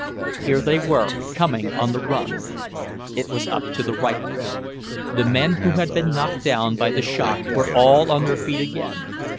Here they were, coming on the run. It was up to the rifles. The men who had been knocked down by the shock were all on their feet again.